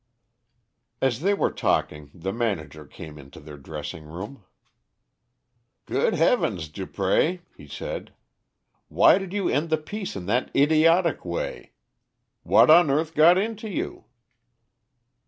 As they were talking the manager came into their dressing room. "Good heavens, Dupré!" he said, "why did you end the piece in that idiotic way? What on earth got into you?"